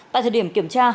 tại thời điểm kiểm tra